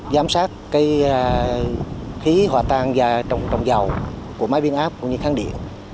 giám sát khí hòa tan trong dầu của máy biến áp cũng như kháng điện